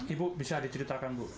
ibu bisa diceritakan bu